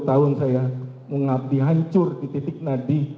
dua puluh tahun saya mengabdi hancur di titik nadi